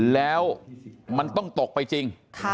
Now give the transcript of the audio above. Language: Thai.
แล้วมันต้องตกไปจริง